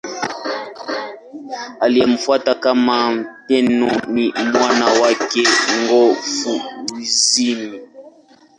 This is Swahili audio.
Aliyemfuata kama Tenno ni mwana wake Go-Fushimi.